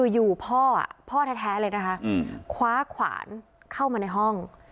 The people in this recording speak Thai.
อยู่พ่อพ่อแท้เลยนะคะคว้าขวานเข้ามาในห้อง